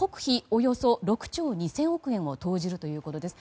およそ６兆２０００億円を投じるということです。